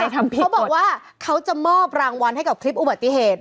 เขาบอกว่าเขาจะมอบรางวัลให้กับคลิปอุบัติเหตุ